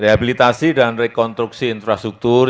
rehabilitasi dan rekonstruksi infrastruktur